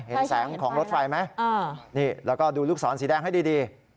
เห็นแสงของรถไฟไหมนี่แล้วก็ดูลูกศรสีแดงให้ดี